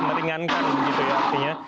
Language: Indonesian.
meningankan gitu ya artinya